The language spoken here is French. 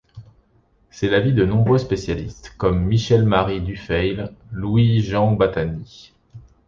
C'est l'avis de nombreux spécialistes comme Michel-Marie Dufeil, Louis, Jean Batany.